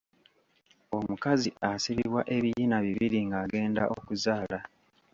Omukazi asibibwa ebiyina bibiri ng'agenda okuzaala.